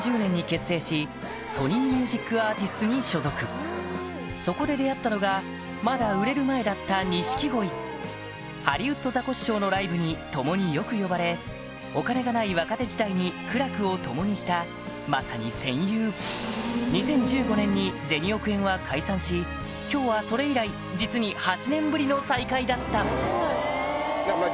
ソニー・ミュージックアーティスツに所属そこで出会ったのがまだ売れる前だった錦鯉ハリウッドザコシショウのライブに共によく呼ばれお金がない若手時代に苦楽を共にしたまさに戦友銭億円は今日はそれ以来実にうわ。